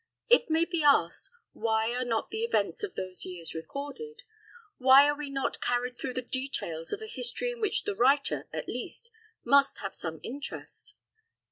It may be asked why are not the events of those years recorded? Why are we not carried through the details of a history in which the writer, at least, must have some interest?